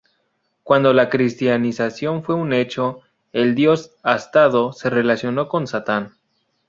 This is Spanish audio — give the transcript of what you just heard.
Cuando la cristianización fue un hecho, el Dios astado se relacionó con Satán.